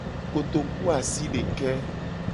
Kotokuasideke.